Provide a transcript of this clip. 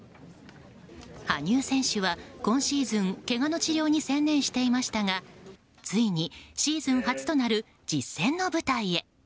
羽生選手は今シーズンけがの治療に専念していましたがついにシーズン初となる実戦の舞台へ。